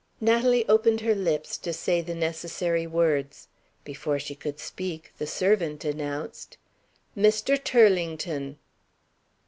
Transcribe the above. Natalie opened her lips to say the necessary words. Before she could speak, the servant announced "Mr. Turlington."